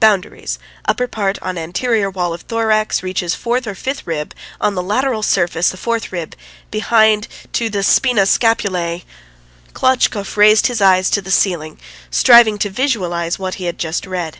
"Boundaries! Upper part on anterior wall of thorax reaches the fourth or fifth rib, on the lateral surface, the fourth rib ... behind to the spina scapulæ. .." Klotchkov raised his eyes to the ceiling, striving to visualise what he had just read.